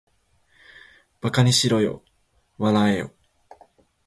馬鹿ばかにしろよ、笑わらえよ